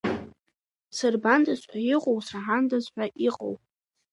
Сырбандаз ҳәа иҟоу, сраҳандаз ҳәа иҟоу…